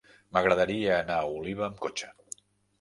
M'agradaria anar a Oliva amb cotxe.